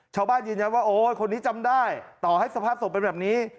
ชาวบ้านยืนยันว่าโอ๊ยคนนี้จำได้ต่อให้สภาพศพเป็นแบบนี้